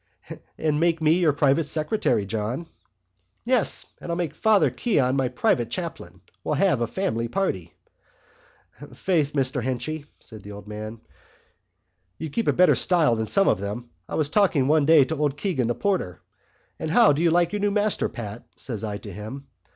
"And make me your private secretary, John." "Yes. And I'll make Father Keon my private chaplain. We'll have a family party." "Faith, Mr Henchy," said the old man, "you'd keep up better style than some of them. I was talking one day to old Keegan, the porter. 'And how do you like your new master, Pat?' says I to him.